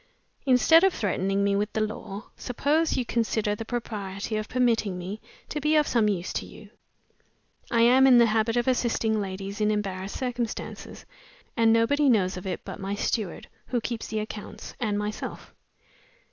Instead of threatening me with the law, suppose you consider the propriety of permitting me to be of some use to you. I am in the habit of assisting ladies in embarrassed circumstances, and nobody knows of it but my steward who keeps the accounts and myself.